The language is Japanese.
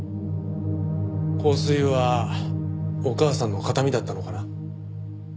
香水はお母さんの形見だったのかな？